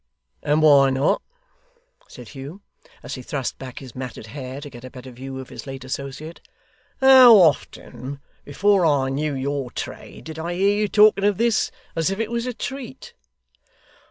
'And why not?' said Hugh, as he thrust back his matted hair to get a better view of his late associate. 'How often, before I knew your trade, did I hear you talking of this as if it was a treat?